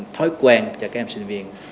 thói quen cho các em sinh viên